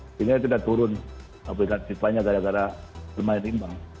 sehingga tidak turun aplikatifanya gara gara bermain imbang